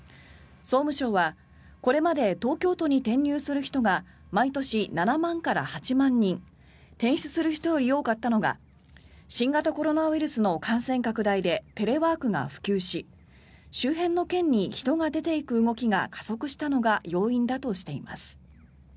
総務省はこれまで東京都に転入する人が毎年７万から８万人転出する人より多かったのが新型コロナウイルスの感染拡大でテレワークが普及し周辺の県に人が出ていく動きが加速したのが要因だとしています。